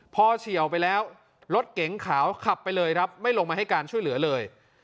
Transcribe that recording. พอเฉียวไปแล้วรถเก๋งขาวขับไปเลยครับไม่ลงมาให้การช่วยเหลือเลย